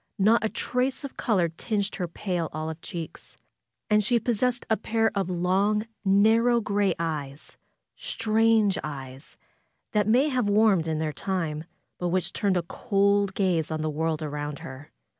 Not a trace of color tinged her pale olive cheeks. And she pos sessed a pair of long, narrow gray eyes; strange eyes, that may have warmed in their time ; but which turned a cold gaze on the world around her.